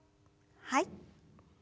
はい。